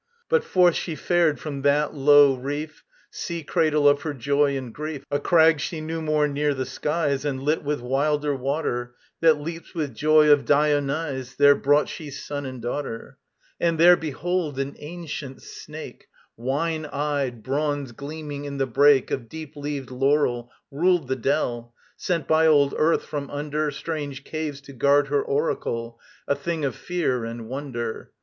But forth she fared from that low reef, Sea cradle of her joy and grief. A crag she knew more near the skies And lit with wilder water, That leaps with joy of Dionyse: There brought she son and daughter. And there, behold, an ancient Snake, Wine eyed, bronze gleaming in the brake Of deep leaved laurel, ruled the dell, Sent by old Earth from under Strange caves to guard her oracle A thing of fear and wonder.